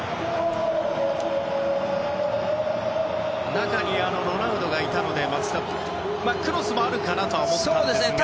中にロナウドがいたので松木さん、クロスもあるかなと思ったんですが。